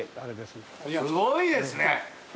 すごいですね！